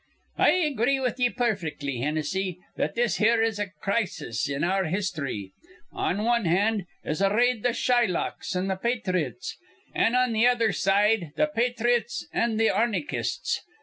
"I agree with ye perfectly, Hinnissy, that this here is a crisis in our histhry. On wan hand is arrayed th' Shylocks an' th' pathrites, an' on th' other side th' pathrites an' th' arnychists.